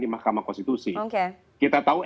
di mahkamah konstitusi oke kita tahu